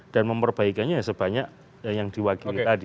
dan memperbaikannya sebanyak yang diwakili tadi